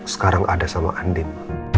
sekarang ada sama andin